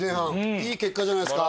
いい結果じゃないですか！